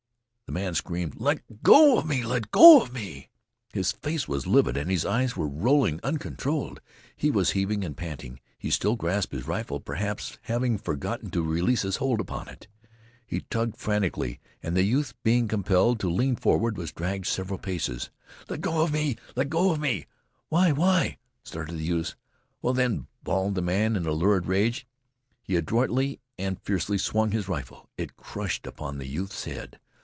The man screamed: "Let go me! Let go me!" His face was livid and his eyes were rolling uncontrolled. He was heaving and panting. He still grasped his rifle, perhaps having forgotten to release his hold upon it. He tugged frantically, and the youth being compelled to lean forward was dragged several paces. "Let go me! Let go me!" "Why why " stuttered the youth. "Well, then!" bawled the man in a lurid rage. He adroitly and fiercely swung his rifle. It crushed upon the youth's head.